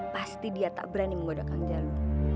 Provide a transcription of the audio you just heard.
pasti dia tak berani menggoda kang jalu